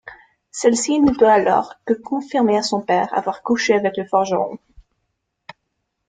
Celle-ci ne peut alors que confirmer à son père avoir couché avec le forgeron.